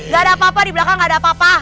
gak ada apa apa di belakang gak ada apa apa